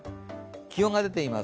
気温が出ています。